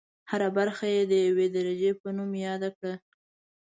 هره برخه یې د یوې درجې په نوم یاده کړه.